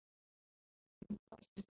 こんにち